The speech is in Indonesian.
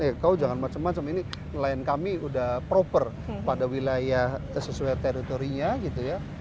eh kau jangan macam macam ini nelayan kami udah proper pada wilayah sesuai teritorinya gitu ya